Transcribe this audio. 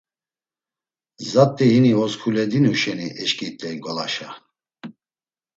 Zat̆i hini osǩuledinu şeni eşǩit̆ey ngolaşa.